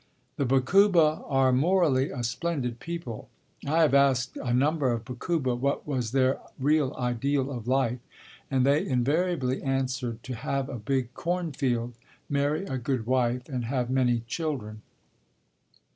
The Bakuba are morally a splendid people. I have asked a number of Bakuba what was their real ideal of life, and they invariably answered to have a big corn field, marry a good wife, and have many children.